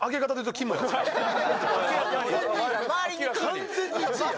完全に１位やろ。